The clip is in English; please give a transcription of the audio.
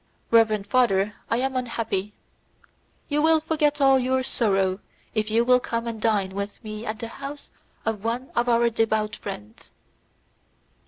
"Reverend father, I am unhappy." "You will forget all your sorrow, if you will come and dine with me at the house of one of our devout friends."